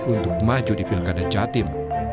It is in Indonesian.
untuk maju di pilkada jatim